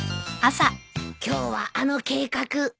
今日はあの計画